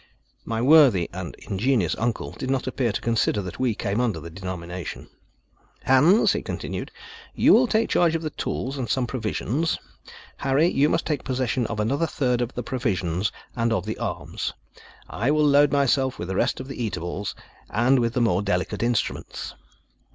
My worthy and ingenious uncle did not appear to consider that we came under the denomination. "Hans," he continued, "you will take charge of the tools and some of the provisions; you, Harry, must take possession of another third of the provisions and of the arms. I will load myself with the rest of the eatables, and with the more delicate instruments."